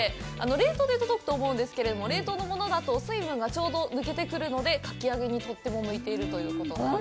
冷凍で届くと思うんですけど、冷凍のものだと水分がちょうど抜けてくるので、かき揚げにとっても向いているということです。